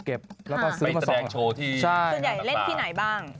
เขาเรียกแชรงโชว์ที่เช่นใหญ่เล่นที่ไหนบ้าง